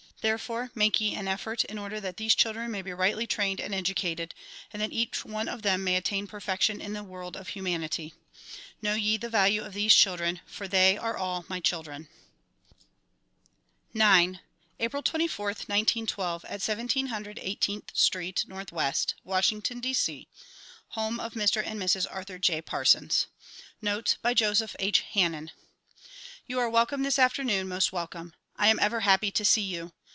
Therefore make ye an effort in order that these children may be rightly trained and educated and that each one of them may attain perfection in the world of humanity. Know ye the value of these children for they are all my children. IX April 24, 1912, at 1700 18th Street, N. W., Washington, D. C. Home of Mr. and Mrs. Arthur J. Parsons. Notes by Joseph H. Hannen YOU are welcome this afternoon, most welcome. I am ever happy to see you.